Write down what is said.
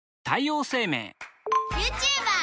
ユーチューバー！